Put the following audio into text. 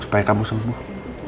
supaya kamu sembuh